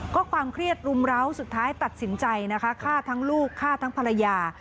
ก็ความเครียดรุมร้าวสุดท้ายตัดสินใจนะคะฆ่าทั้งลูกฆ่าทั้งภรรยา